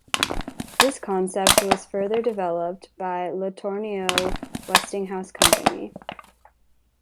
This concept was further developed by LeTourneau Westinghouse Company.